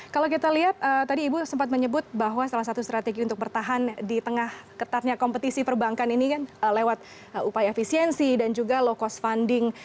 kalau kita lihat tadi ibu sempat menyebut bahwa salah satu strategi untuk bertahan di tengah ketatnya kompetisi perbankan ini kan lewat upaya efisiensi dan juga low cost funding